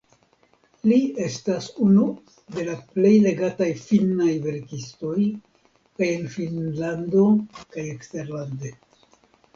Li estas unu de la plej legataj finnaj verkistoj kaj en Finnlando kaj eksterlande.